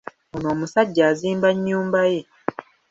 Ono omusajja azimba nnyumba ye.